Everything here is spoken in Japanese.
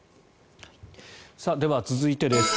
では、続いてです。